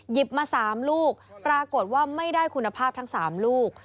มา๓ลูกปรากฏว่าไม่ได้คุณภาพทั้ง๓ลูก